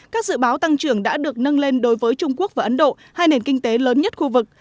các dự báo tăng trưởng đã được nâng lên đối với trung quốc và ấn độ hai nền kinh tế lớn nhất khu vực